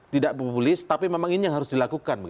tidak populis tapi memang ini yang harus dilakukan